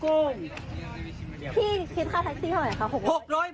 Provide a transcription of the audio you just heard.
พี่คิดค่าแท็กซี่เท่าไหร่คะ